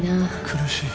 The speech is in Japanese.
苦しい。